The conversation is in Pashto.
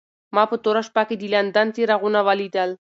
ما په توره شپه کې د لندن څراغونه ولیدل.